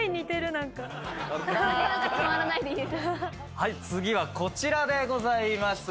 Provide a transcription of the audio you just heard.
はい次はこちらでございます。